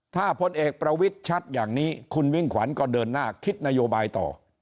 ถ้าพลเอกประวิทย์ชัดอย่างนี้คุณมิ่งขวัญก็เดินหน้าคิดนโยบายต่อ